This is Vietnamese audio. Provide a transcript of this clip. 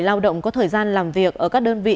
lao động có thời gian làm việc ở các đơn vị